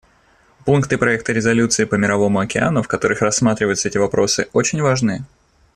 Пункты проекта резолюции по Мировому океану, в которых рассматриваются эти вопросы, очень важны.